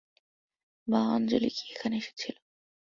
মা আঞ্জলি কি এখানে এসেছিল?